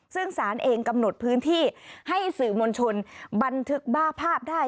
ซึ่งสารเองกำหนดพื้นที่ให้สื่อมวลชนบันทึกบ้าภาพได้